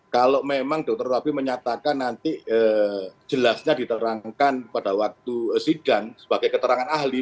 kalau memang dr rabi menyatakan nanti jelasnya diterangkan pada waktu sidang sebagai keterangan ahli